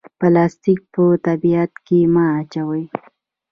پلاستیک په طبیعت کې مه اچوئ